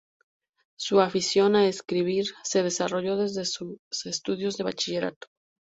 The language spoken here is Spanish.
Su afición a escribir se desarrolló desde sus estudios de bachillerato.